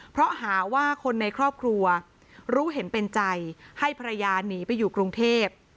เพราะหาว่าคนในครอบครัวรู้เห็นเป็นใจให้ภรรยาหนีไปอยู่กรุงเทพ